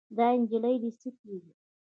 دا نجلۍ دې څه کيږي؟